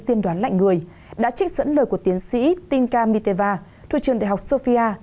bà tin đoán lạnh người đã trích dẫn lời của tiến sĩ tinka miteva thủ trường đại học sofia